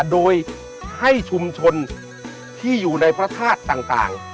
โดยให้ชุมชนที่อยู่ในพระธาตุต่าง